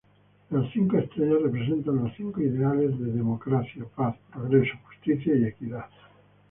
Las cinco estrellas representan los cinco ideales de democracia, paz, progreso, justicia y equidad.